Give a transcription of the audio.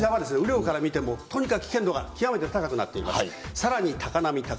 こちらは雨量から見ても、とにかく危険度が極めて高くなっています。